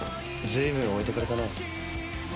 随分、置いていかれたな。